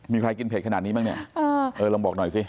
มีใครกินเผ็ดขนาดนี้บ้างเนี่ยเออลองบอกหน่อยสิ